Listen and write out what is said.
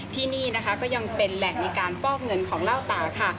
ที่นี่นะคะก็ยังเป็นแหล่งในการฟอกเงินของเล่าตาค่ะ